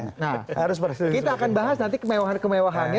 nah kita akan bahas nanti kemewahan kemewahannya